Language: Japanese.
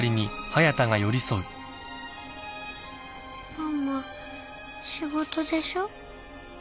ママ仕事でしょ？